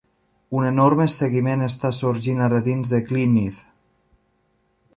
Un enorme seguiment està sorgint ara dins de Glynneath.